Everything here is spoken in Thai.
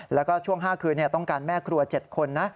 แล้วก็ช่วง๕คืนต้องการแม่ครัว๗คนนะ